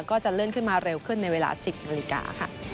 ก็จะเลื่อนขึ้นมาเร็วขึ้นในเวลา๑๐นาฬิกาค่ะ